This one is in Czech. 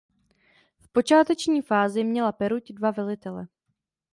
V počáteční fázi měla peruť dva velitele.